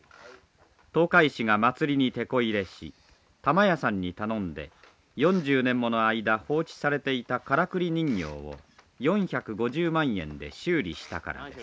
東海市が祭りにてこ入れし玉屋さんに頼んで４０年もの間放置されていたからくり人形を４５０万円で修理したからです。